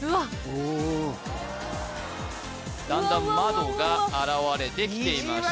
おおだんだん窓が現れてきていました